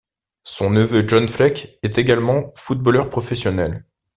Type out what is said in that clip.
Son neveu John Fleck est également footballeur professionnel.